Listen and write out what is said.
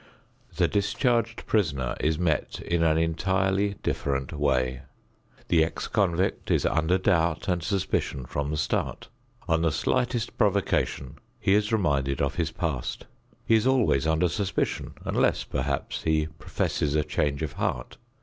The discharged prisoner is met in an entirely different way. The ex convict is under doubt and suspicion from the start. On the slightest provocation he is reminded of his past. He is always under suspicion unless, perhaps, he professes a change of heart.